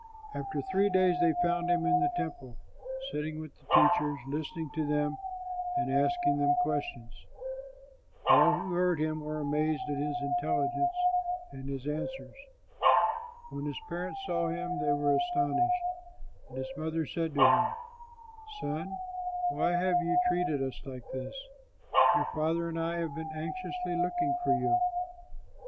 After three days they found him in the Temple, sitting with the teachers, listening to them and asking them questions. All who heard him were amazed at his intelligence and his answers. When his parents saw him, they were astonished; and his mother said to him, "Son, why have you treated us like this? Your father and I have been anxiously looking for you."